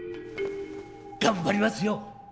頑張りますよ！